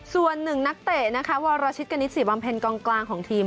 ส่วน๑นักเตะนะคะวาราชิตกะนิด๔บางเพลงกลางของทีม